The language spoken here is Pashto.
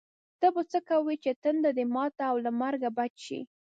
ته به څه کوې چې تنده دې ماته او له مرګه بچ شې.